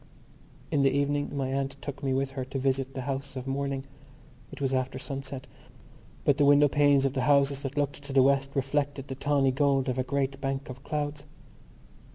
In the evening my aunt took me with her to visit the house of mourning. It was after sunset; but the window panes of the houses that looked to the west reflected the tawny gold of a great bank of clouds.